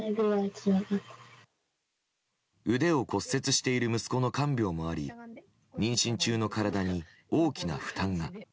腕を骨折している息子の看病もあり妊娠中の体に大きな負担が。